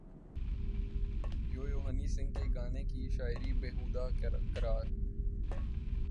you Yo Honey Singh کے گانے کی شاعری بیہودہ قرار